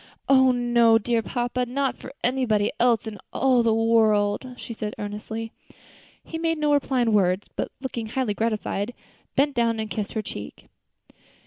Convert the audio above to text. "Oh! no, dear papa, not for anybody else in all the world," she said earnestly. He made no reply in words, but, looking highly gratified, bent down and kissed her cheek.